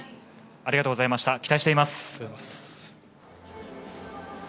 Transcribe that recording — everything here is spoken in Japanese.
ありがとうございます。